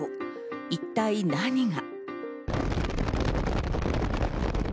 一体何が。